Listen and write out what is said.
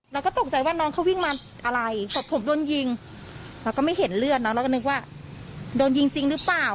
เราก็ตกใจว่าน้องเขาวิ่งมาอะไรศพผมโดนยิงเราก็ไม่เห็นเลือดเนอะเราก็นึกว่าโดนยิงจริงหรือเปล่า